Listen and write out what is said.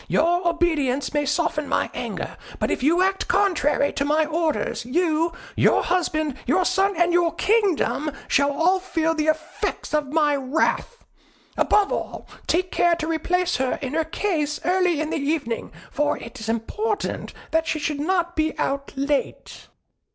Your obedience may soften my anger; but if you act contrary to my orders, you, your husband, your son, and your kingdom, shall all feel the effect of my wrath. Above all, take care to replace her in her case early in the evening, for it is important that she should not be out late."